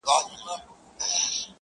دا لا څومره درد دې پهٔ غزل کې دی